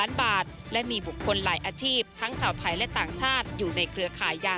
ล้านบาทและมีบุคคลหลายอาชีพทั้งชาวไทยและต่างชาติอยู่ในเครือขายยา